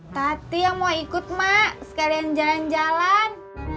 tapi yang mau ikut mak sekalian jalan jalan